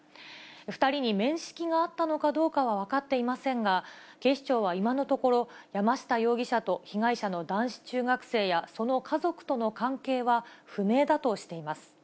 ２人に面識があったのかどうかは分かっていませんが、警視庁は今のところ、山下容疑者と被害者の男子中学生やその家族との関係は不明だとしています。